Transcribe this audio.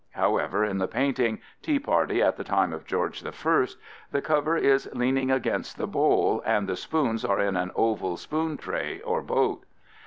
However, in the painting Tea Party in the Time of George I (fig. 5) the cover is leaning against the bowl and the spoons are in an oval spoon tray or boat.